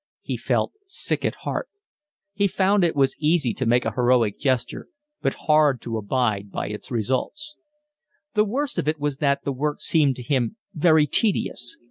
He felt sick at heart. He found that it was easy to make a heroic gesture, but hard to abide by its results. The worst of it was that the work seemed to him very tedious.